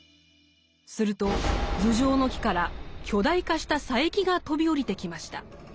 すると頭上の木から巨大化した佐柄木が飛び降りてきました。